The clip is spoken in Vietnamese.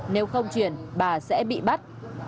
nếu không chuyển bà sẽ bị bắt